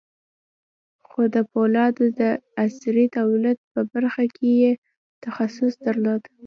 خو د پولادو د عصري توليد په برخه کې يې تخصص درلود.